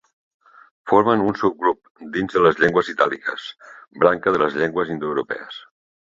Formen un subgrup dins de les llengües itàliques, branca de les llengües indoeuropees.